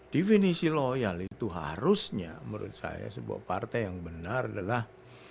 definisi loyal itu harusnya menurut saya sebuah partai yang benar adalah